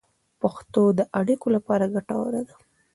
پښتو د اړیکو لپاره ګټوره ده.